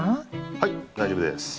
はい大丈夫です。